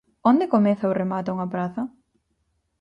Onde comeza ou remata unha praza?